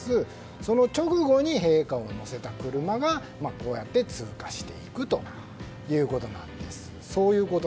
その直後に、陛下を乗せた車が通過していくということなんです。